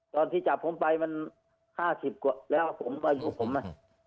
ตอนรับทราบผมไปมัน๕๐แล้วผมว่าอยู่ข้างไหน